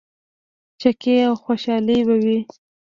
چکې او خوشحالي به وه.